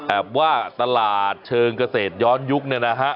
ว่าตลาดเชิงเกษตรย้อนยุคเนี่ยนะฮะ